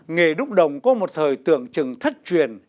nghề đúc đồng có một thời tưởng chừng thất truyền